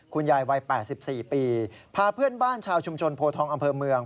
คุณยายวัย๘๔ปีพาเพื่อนบ้านชาวชุมชนโพทองอำเภอเมือง